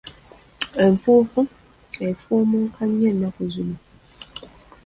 Enfuufu efuumuuka nnyo ennaku zino.